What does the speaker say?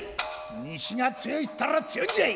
西が強いったら強いんじゃい！」。